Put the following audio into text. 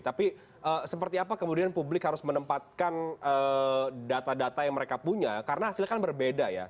tapi seperti apa kemudian publik harus menempatkan data data yang mereka punya karena hasilnya kan berbeda ya